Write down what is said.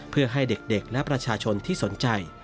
เพื่อให้เด็กและประชาชนที่สนใจ